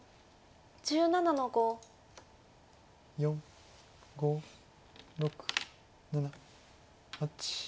４５６７８。